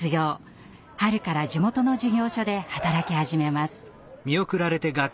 春から地元の事業所で働き始めます。